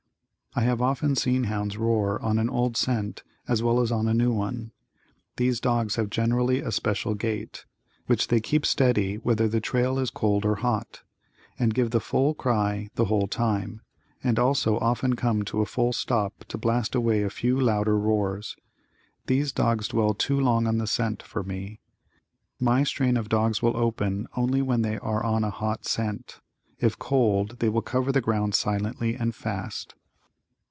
I have often seen hounds roar on an old scent as well as on a new one. These dogs have generally a special gait, which they keep steady whether the trail is cold or hot, and give the full cry the whole time, and also often come to a full stop to blast away a few louder roars. These dogs dwell too long on the scent for me. My strain of dogs will open only when they are on a hot scent; if cold, they will cover the ground silently and fast.